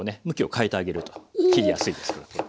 向きを変えてあげると切りやすいですから。